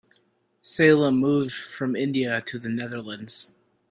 Salim moved from India to the Netherlands.